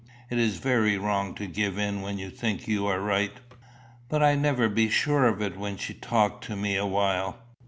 It is very wrong to give in when you think you are right." "But I never be sure of it when she talk to me awhile."